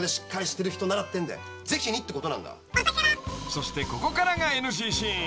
［そしてここからがＮＧシーン］